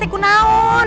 pak rt ku naun